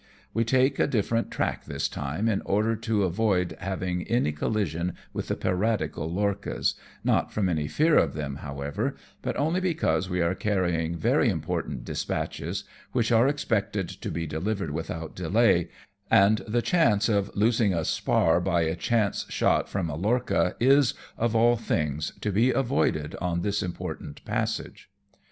We take a different track this time in order to avoid having any collision with the piratical lorchas, not from any fear of them, however, but only because we are carrying very important dispatches, which are ex pected to be delivered without delay, and the chance of losing a spar by a chance shot from a lorcha is, of all things, to be avoided on this important passage.